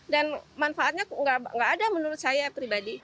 dan manfaatnya nggak ada menurut saya pribadi